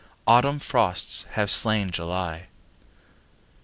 Autumn frosts have slain July.